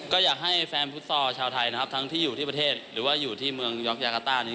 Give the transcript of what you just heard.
ก็อยากให้แฟนฟุตซอลชาวไทยนะครับทั้งที่อยู่ที่ประเทศหรือว่าอยู่ที่เมืองยอกยากาต้านี้